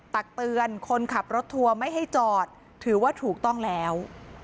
ตักเตือนคนขับรถทัวร์ไม่ให้จอดถือว่าถูกต้องแล้ว